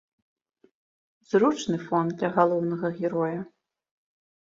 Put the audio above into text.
Зручны фон для галоўнага героя.